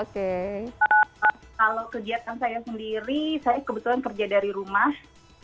kalau kegiatan saya sendiri saya kebetulan kerja dari rumah